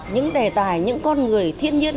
những đề tài những con người thiên nhiên